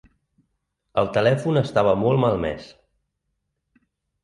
El telèfon estava molt malmès.